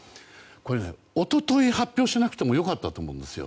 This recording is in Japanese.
これ、一昨日発表しなくても良かったと思うんです。